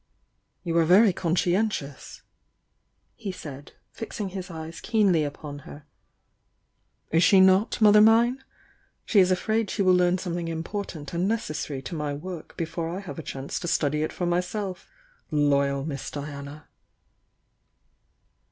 "You are very conscientious," he said, fixing his eyes keenly upon her — "Is she not. mother mine? She is afraid she will learn something important and necessary to my work before I have a chance to study it for myself. Loyal Miss Diana!"